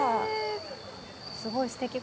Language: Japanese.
すごいすてき。